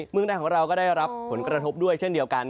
เมืองไทยของเราก็ได้รับผลกระทบด้วยเช่นเดียวกัน